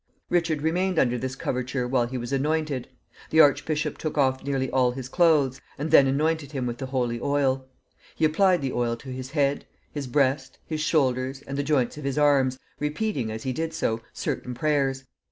Richard remained under this coverture while he was anointed. The archbishop took off nearly all his clothes, and then anointed him with the holy oil. He applied the oil to his head, his breast, his shoulders, and the joints of his arms, repeating, as he did so, certain prayers.